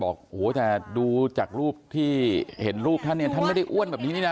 บอกโอ้โหแต่ดูจากรูปที่เห็นรูปท่านเนี่ยท่านไม่ได้อ้วนแบบนี้นี่นะ